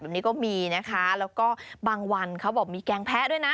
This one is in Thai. แบบนี้ก็มีนะคะแล้วก็บางวันเขาบอกมีแกงแพ้ด้วยนะ